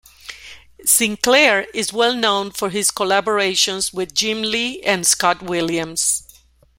Sinclair is well known for his collaborations with Jim Lee and Scott Williams.